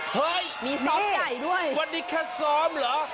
เฮ่ยวันนี้แค่ซ้อมเหรอมีซ้อมใหญ่ด้วย